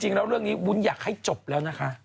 เรื่องนี้วุ้นอยากให้จบแล้วนะคะ